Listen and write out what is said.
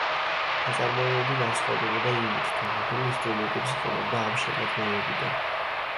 ნაწარმოებები განსხვავდებოდა იმით, თუ რომელ ინსტრუმენტებს იყენებდა ამ შემადგენლობიდან.